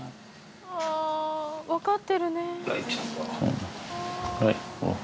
あぁ分かってるね。